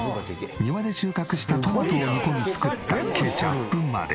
庭で収穫したトマトを煮込み作ったケチャップまで。